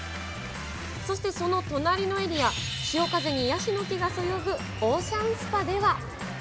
そしてその隣のエリア、潮風にやしの木がそよぐオーシャンスパでは。